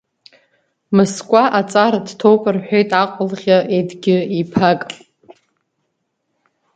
Мыскәа аҵара дҭоуп рҳәеит Аҟалӷьы Ед-гьы иԥак.